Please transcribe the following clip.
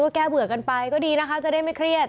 แก้เบื่อกันไปก็ดีนะคะจะได้ไม่เครียด